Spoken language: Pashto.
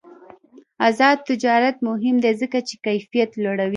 آزاد تجارت مهم دی ځکه چې کیفیت لوړوي.